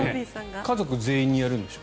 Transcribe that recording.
家族全員にやるんでしょ？